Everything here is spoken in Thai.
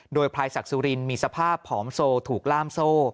โดยพลายศักดิ์สุรินมีสภาพผอมโซถูกล่ามโซ่